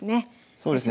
そうですね。